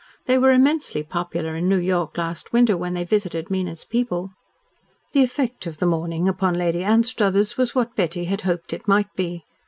They were immensely popular in New York last winter, when they visited Mina's people." The effect of the morning upon Lady Anstruthers was what Betty had hoped it might be.